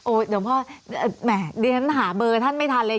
โอ้เดี๋ยวพ่อแปะท่านหาเบอร์ท่านไม่ทันเลย